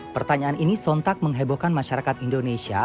pertanyaan ini sontak menghebohkan masyarakat indonesia